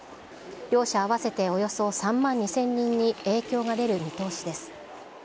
両社合わせておよそ３万２０００人に影響が出る見通しです。